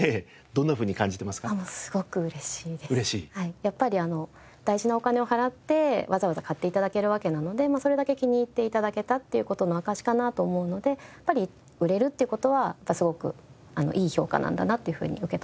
やっぱり大事なお金を払ってわざわざ買って頂けるわけなのでそれだけ気に入って頂けたっていう事の証しかなと思うのでやっぱり売れるって事はすごくいい評価なんだなっていうふうに受け止めてます。